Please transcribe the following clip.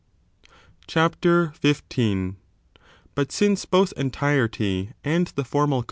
CHAPTER XV.i But since both entirety and the formal cause i.